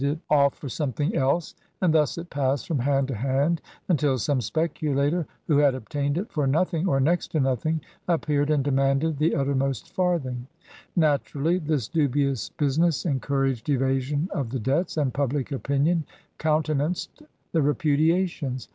A legal opinion from Lincoln on a question of surveying LINCOLN THE LAWYER off for something else, and thus it passed from hand to hand until some speculator who had ob tained it for nothing or next to nothing appeared and demanded the uttermost farthing. Naturally, this dubious business encouraged evasion of the debts, and public opinion countenanced the repudiations.